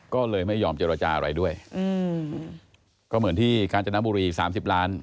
ก็เลยไม่ยอมเจรจาอะไรด้วยอืมก็เหมือนที่กาญจนบุรี๓๐ล้าน